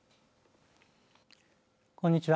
こんにちは。